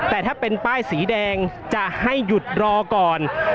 แต่ถ้าเป็นป้ายสีแดงจะให้หยุดรอก่อน